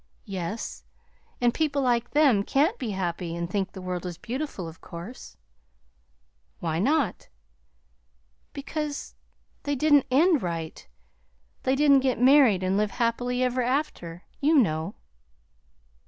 "Yes; and people like them can't be happy and think the world is beautiful, of course." "Why not?" "Because they didn't end right. They didn't get married and live happy ever after, you know."